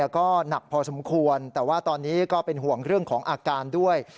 ก็หนักพอสมควรแต่ว่าตอนนี้ก็เป็นห่วงเรื่องของอาการด้วย